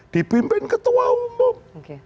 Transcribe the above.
dipimpin ketua umum